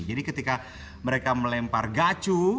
jadi ketika mereka melempar gacu